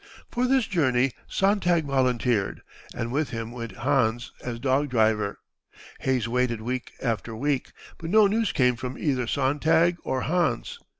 For this journey Sontag volunteered, and with him went Hans as dog driver. Hayes waited week after week, but no news came from either Sontag or Hans.